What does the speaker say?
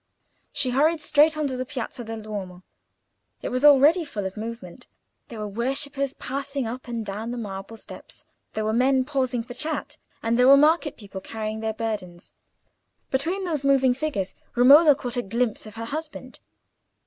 She hurried straight on to the Piazza del Duomo. It was already full of movement: there were worshippers passing up and down the marble steps, there were men pausing for chat, and there were market people carrying their burdens. Between those moving figures Romola caught a glimpse of her husband.